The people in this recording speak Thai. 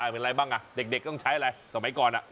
เป็นไรบ้างเด็กต้องใช้อะไรสมัยก่อน